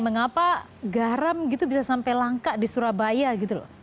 mengapa garam gitu bisa sampai langka di surabaya gitu loh